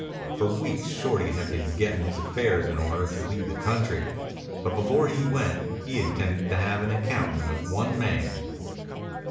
For weeks Shorty had been getting his affairs in order to leave the country, but before he went he intended to have an accounting with one man.